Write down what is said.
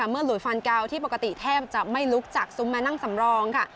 เมื่อหลวยฟันเกาที่ปกติแทบจะไม่ลุกจากซุมแมนั่งสำรอง